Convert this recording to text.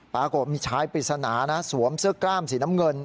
ปรากฏมีชายปริศนานะสวมเสื้อกล้ามสีน้ำเงิน